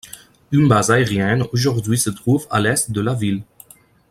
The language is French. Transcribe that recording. Une base aérienne aujourd'hui se trouve à l'est de la ville.